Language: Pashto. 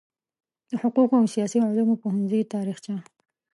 د حقوقو او سیاسي علومو پوهنځي تاریخچه